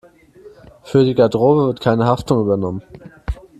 Für die Garderobe wird keine Haftung übernommen.